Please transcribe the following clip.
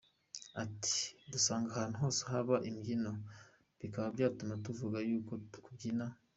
Ati Dusanga ahantu hose haba imbyino bikaba byatuma tuvuga yuko kubyina.